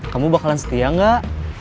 kamu bakalan setia gak